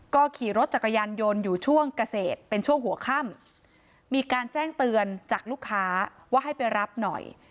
ก็ขี่รถจักรยานยนต์อยู่ช่วงเกษตรเป็นช่วงหัวค่ำมีการแจ้งเตือนจากลูกค้าว่าให้ไปรับหน่อย